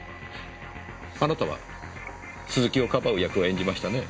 あなたは鈴木を庇う役を演じましたね？